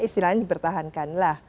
istilahnya dipertahankan lah